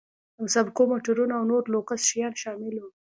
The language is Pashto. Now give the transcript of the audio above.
د مسابقو موټرونه او نور لوکس شیان شامل وو.